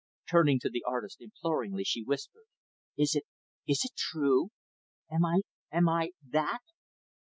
Turning to the artist, imploringly, she whispered, "Is it is it true? Am I am I that?"